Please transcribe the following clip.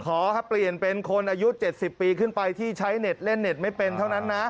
ขอเปลี่ยนเป็นคนอายุ๗๐ปีขึ้นไปที่ใช้เน็ตเล่นเน็ตไม่เป็นเท่านั้นนะ